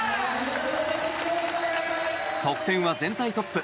得点は全体トップ。